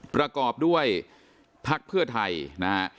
ประกอบด้วยพักเพื่อไทยนะฮะ